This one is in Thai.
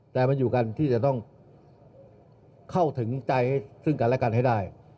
แต่มันอยู่กันที่จะต้องเข้าถึงใจซึ่งกันและกันให้ได้